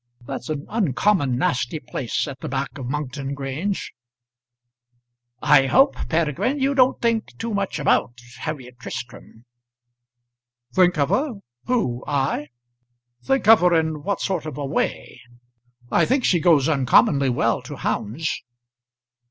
That's an uncommon nasty place at the back of Monkton Grange." "I hope, Peregrine, you don't think too much about Harriet Tristram." "Think of her! who? I? Think of her in what sort of a way? I think she goes uncommonly well to hounds."